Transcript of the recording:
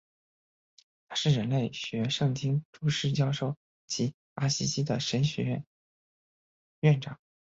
他是人类学圣经注释教授及阿西西的神学院院长。